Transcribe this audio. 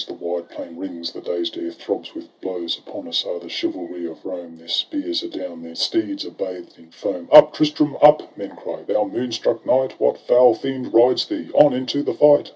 The wide plain rings, the dazed air throbs with blows. Upon us are the chivalry of Rome — Their spears are down, their steeds are bathed in foam. ' Up, Tristram, up,' men cry, 'thou moonstruck knight ! What foul fiend rides thee? On into the fight!'